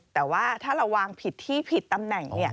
แต่ว่าถ้าเราวางผิดที่ผิดตำแหน่ง